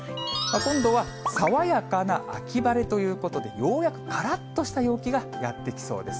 今度は爽やかな秋晴れということで、ようやくからっとした陽気がやって来そうです。